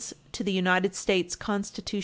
S. 652 to the United States Constitution.